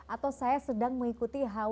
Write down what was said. atau saya sedang mengikuti hal hal yang lain